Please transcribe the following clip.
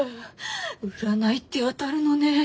占いって当たるのねぇ。